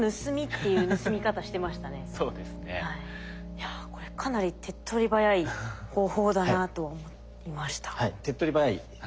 いやこれかなり手っ取り早い方法だなと思いました。